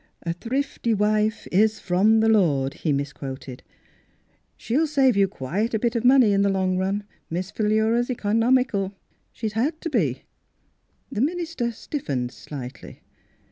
" A thrifty wife is from the Lord," he misquoted. " She'll save you quite a bit of money in the long run. Miss Philura's economical; she's had to be." The minister stiffened slightly.